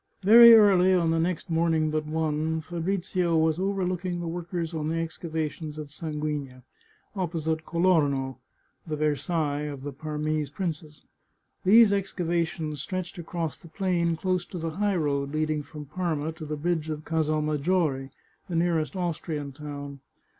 Very early on the next morning but one, Fabrizio was overlooking the workers on the excavations at Sanguigna, opposite Colorno (the Versailles of the Parmese princes). These excavations stretched across the plain close to the high road leading from Parma to the bridge of Casal Mag gfiore, the nearest Austrian town.